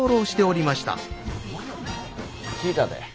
聞いたで。